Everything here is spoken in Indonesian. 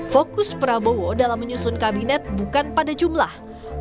fokus prabowo dalam menyusun kabinet bukan pada jumlah